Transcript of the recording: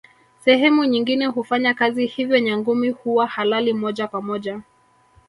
Sehemu nyingine hufanya kazi hivyo Nyangumi huwa halali moja kwa moja